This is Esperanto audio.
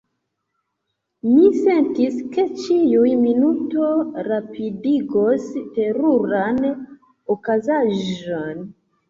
Mi sentis, ke ĉiu minuto rapidigos teruran okazaĵon.